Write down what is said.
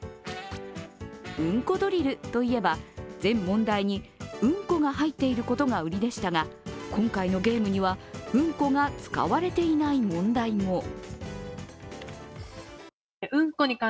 「うんこドリル」といえば、全問題にうんこが入っていることが売りでしたが今回のゲームにはうんこが使われていない問題も。